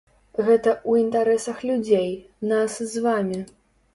Гэта ў інтарэсах людзей, нас з вамі.